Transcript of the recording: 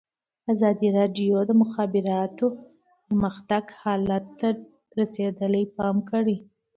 ازادي راډیو د د مخابراتو پرمختګ حالت ته رسېدلي پام کړی.